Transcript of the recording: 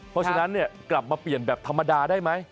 เพราะฉะนั้นกลับมาเปลี่ยนแบบธรรมดาได้ไหม